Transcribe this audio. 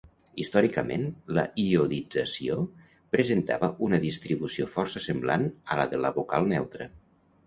Històricament, la iodització presentava una distribució força semblant a la de la vocal neutra.